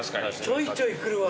ちょいちょい来るわ。